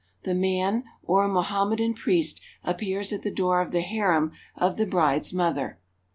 The man, or a Mohammedan priest, appears at the door of the harem of the bride's mother.